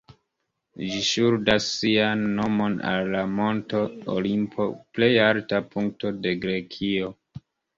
Ĝi ŝuldas sian nomon al la Monto Olimpo, plej alta punkto de Grekio.